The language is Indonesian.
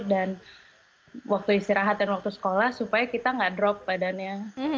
dan waktu istirahat dan waktu sekolah supaya kita nggak drop badannya